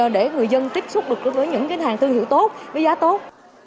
để người dân tiếp xúc được với những hàng thương hiệu tốt với giá tốt